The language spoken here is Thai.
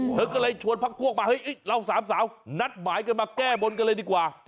เธอก็เลยชวนพักพวกมาเฮ้ยเราสามสาวนัดหมายกันมาแก้บนกันเลยดีกว่า